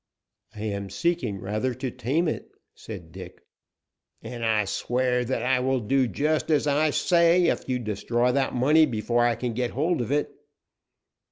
"I am seeking rather to tame it," said Dick. "And I swear that I will do just as I say, if you destroy that money before I can get hold of it."